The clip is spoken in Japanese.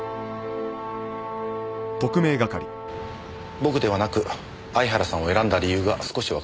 僕ではなく相原さんを選んだ理由が少しわかりましたよ。